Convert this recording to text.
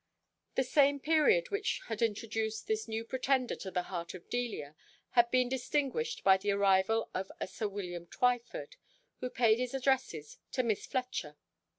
The same period which had introduced this new pretender to the heart of Delia, had been distinguished by the arrival of a Sir William Twyford, who paid his addresses to Miss Fletcher.